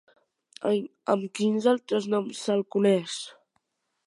Amb quins altres noms se'l coneix?